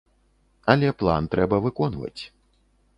Але план трэба выконваць.